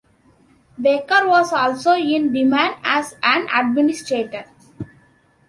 Baker was also in demand as an administrator.